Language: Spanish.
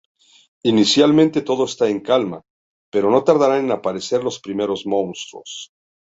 Inicialmente todo está en calma, pero no tardarán en aparecer los primeros monstruos.